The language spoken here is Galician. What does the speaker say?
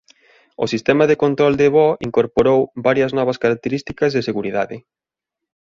O sistema de control de voo incorporou varias novas características de seguridade.